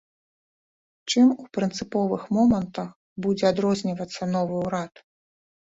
Чым у прынцыповых момантах будзе адрозніваецца новы ўрад?